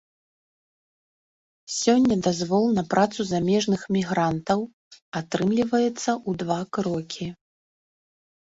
Сёння дазвол на працу замежных мігрантаў атрымліваецца ў два крокі.